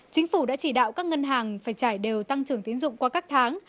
chính phủ đã chỉ đạo các ngân hàng phải trải đều tăng trưởng tiến dụng qua các tháng